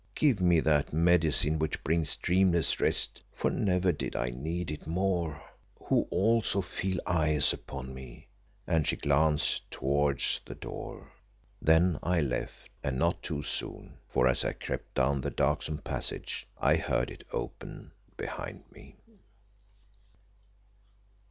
Give me that medicine which brings dreamless rest, for never did I need it more, who also feel eyes upon me," and she glanced towards the door. Then I left, and not too soon, for as I crept down the darksome passage, I heard it open behind me.